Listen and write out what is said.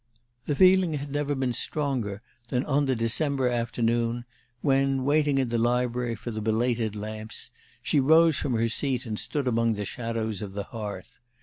The feeling had never been stronger than on the December afternoon when, waiting in the library for the belated lamps, she rose from her seat and stood among the shadows of the hearth.